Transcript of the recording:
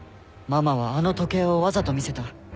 ママはあの時計をわざと見せた。